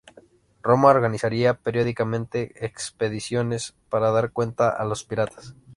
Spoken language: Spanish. Roma organizaría periódicamente expediciones para dar cuenta a los piratas.